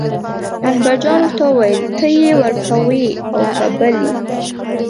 اکبرجان ورته وویل ته یې ورکوې او که بل یې.